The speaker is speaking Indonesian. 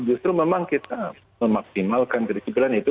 justru memang kita memaksimalkan krisi pelan itu